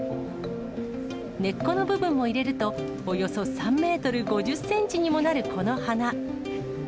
根っこの部分も入れると、およそ３メートル５０センチにもなる、この花。